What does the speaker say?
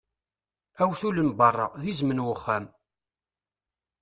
Awtul n beṛṛa, d izem n uxxam.